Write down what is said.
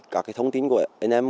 các cái thông tin của anh em